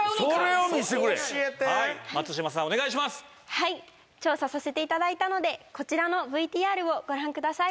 はい調査させて頂いたのでこちらのＶＴＲをご覧ください。